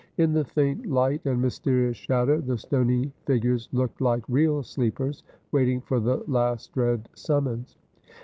In the faint light and mysterious shadow the stony figures looked like real sleepers, waiting for the last dread summons.